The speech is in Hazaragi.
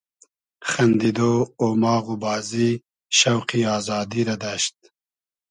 خئندیدۉ , اوماغ و بازی , شۆقی آزادی رۂ دئشت